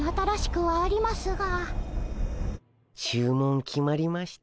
注文決まりました？